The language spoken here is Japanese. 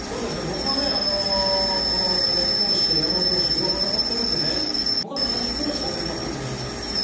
僕は佐々木投手と山本投手の両方残っているので僕は佐々木投手が先発すると思います。